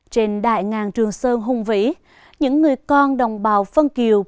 trên đại ngàn trường sơn hùng vĩ những người con đồng bào phân kiều